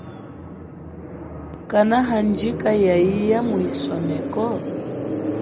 Kanahandjika ya iya mu isoneko?